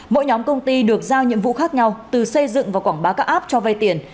mỗi nhóm công ty được giao nhiệm vụ khác nhau từ xây dựng và quảng bá các app cho vay tiền